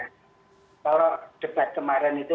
kalau debat kemarin itu